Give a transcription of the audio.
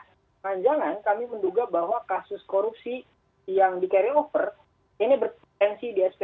jangan jangan kami menduga bahwa kasus korupsi yang di carryover ini berpotensi di sp tiga